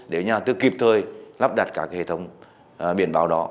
để nhà đầu tư kịp thời lắp đặt các cái hệ thống biển bảo đó